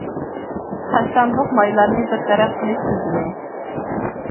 تاشلاندۇق مايلارنى بىر تەرەپ قىلىش تۈزۈمى.